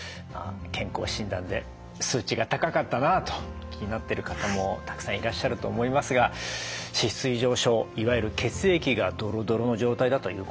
健康診断で数値が高かったなと気になってる方もたくさんいらっしゃると思いますが脂質異常症いわゆる血液がどろどろの状態だということですね。